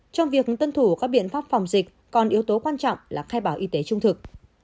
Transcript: trong việc tuân thủ các biện pháp phòng dịch còn yếu tố quan trọng là khai báo y tế trung thực